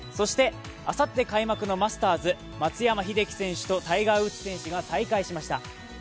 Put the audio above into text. あさって開幕のマスターズ、松山英樹選手とタイガー・ウッズ選手が再会しました。